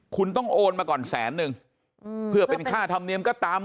คุณต้องโอนมาก่อนแสนนึงเพื่อเป็นค่าธรรมเนียมก็ตาม